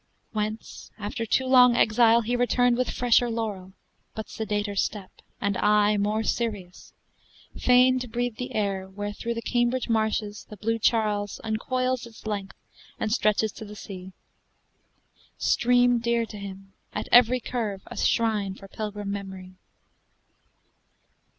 Whence, after too long exile, he returned With fresher laurel, but sedater step And eye more serious, fain to breathe the air Where through the Cambridge marshes the blue Charles Uncoils its length and stretches to the sea: Stream dear to him, at every curve a shrine For pilgrim Memory.